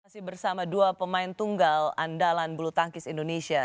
masih bersama dua pemain tunggal andalan bulu tangkis indonesia